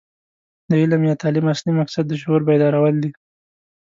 د علم یا تعلیم اصلي مقصد د شعور بیدارول دي.